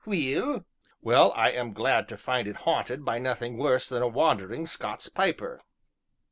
"Weel?" "Well, I am glad to find it haunted by nothing worse than a wandering Scots piper."